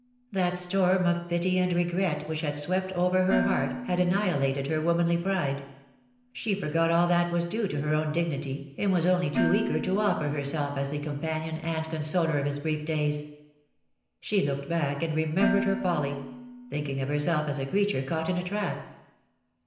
That storm of pity and regret which had swept over her heart had anni LE SECRET DE POLICHTNELLE. 260 Lilated her womanly pride : she forgot all that ■was due to her own dignity, and was only too eager to offer herself as the companion and consoler of his brief days. She looked back and remembered her folly — thinking of herself as a creature caught in a trap.